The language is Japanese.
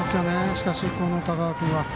しかしこの永田君は。